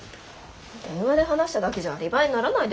電話で話しただけじゃアリバイにならないですよね。